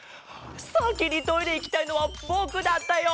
さきにトイレいきたいのはぼくだったよ！